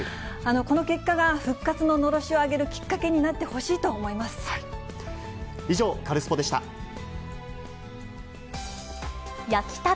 この結果が、復活ののろしを上げるきっかけになってほしいと思い以上、カルスポっ！でした。